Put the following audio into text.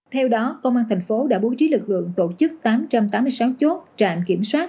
theo đó công an thành phố đã bố trí lực lượng tổ chức tám trăm tám mươi sáu chốt trạm kiểm soát